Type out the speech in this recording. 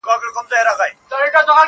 یانې مرګ پسې مې ټول جهان را ووت ,